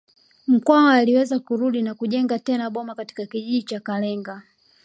Mkwawa aliweza kurudi na kujenga tena boma katika kijiji cha Kalenga